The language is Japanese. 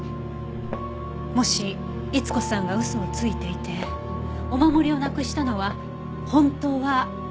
もし逸子さんが嘘をついていてお守りをなくしたのは本当は殺人現場だったとしたら。